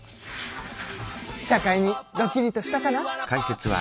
社会にドキリとしたかな？